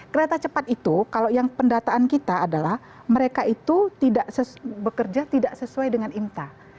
kereta cepat itu kalau yang pendataan kita adalah mereka itu tidak bekerja tidak sesuai dengan imta